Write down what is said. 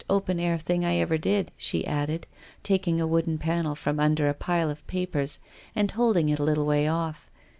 Here is a sketch I did last summer," she added, taking a wooden panel from under a pile of papers and holding it a little way off.